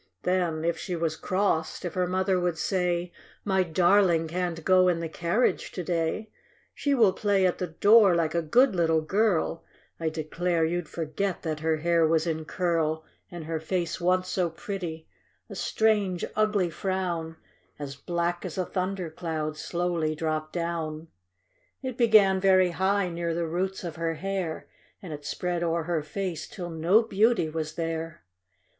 Then, if she was crossed — if her mother would say, " My darling can't go in the carriage to day, She will play at the door like a good little girl !" I declare you'd forget that her hair was in curl, And her face once so pretty. A strange, ugly frown, As black as a thunder cloud, slowly dropped down. It began very high, near the roots of her hair, And it spread o'er her face till no beauty was there.